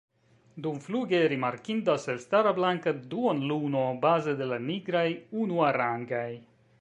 Dumfluge rimarkindas elstara blanka duonluno, baze de la nigraj unuarangaj.